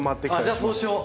じゃあそうしよう！